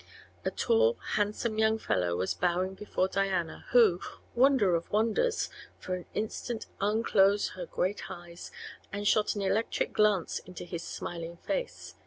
A tall, handsome young fellow was bowing before Diana, who wonder of wonders! for an instant unclosed her great eyes and shot an electric glance into his smiling face.